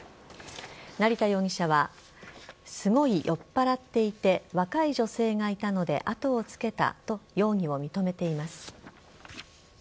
成田容疑者はすごい酔っぱらっていて若い女性がいたので後をつけたと容疑を認めています。